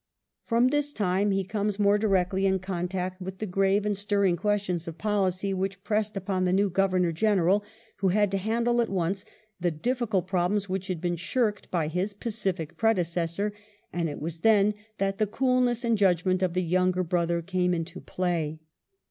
From this time he comes more directly in contact with the grave and stirring questions of policy which pressed upon the new Governor General, who had to handle at once the difficult problems which had been shirked by his pacific predecessor; and it was then that the coolness and judgment of the younger brother came into play.